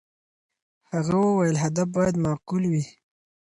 هغه وویل، هدف باید معقول وي.